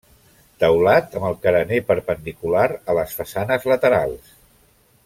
Teulat amb el carener perpendicular a les façanes laterals.